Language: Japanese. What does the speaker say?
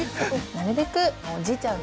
なるべくおじいちゃん